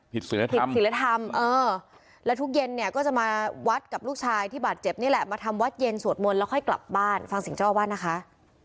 ศิลธรรมผิดศิลธรรมเออแล้วทุกเย็นเนี่ยก็จะมาวัดกับลูกชายที่บาดเจ็บนี่แหละมาทำวัดเย็นสวดมนต์แล้วค่อยกลับบ้านฟังเสียงเจ้าอาวาสนะคะ